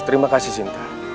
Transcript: terima kasih sinta